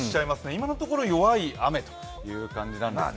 今のところ弱い雨という感じなんですね。